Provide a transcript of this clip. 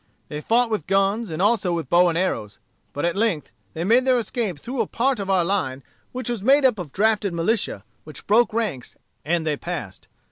They fought with guns and also with bow and arrows. But at length they made their escape through a part of our line, which was made up of drafted militia, which broke ranks, and they passed.